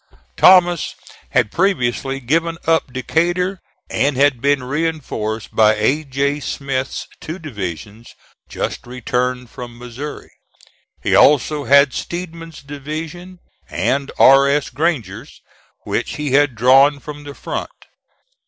Thomas had previously given up Decatur and had been reinforced by A. J. Smith's two divisions just returned from Missouri. He also had Steedman's division and R. S. Granger's, which he had drawn from the front.